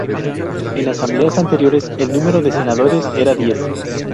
En asambleas anteriores, el número de Senadores era diez.